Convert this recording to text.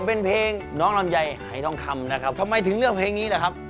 เป็นเพลงน้องลำไยหายทองคำนะครับทำไมถึงเลือกเพลงนี้ล่ะครับ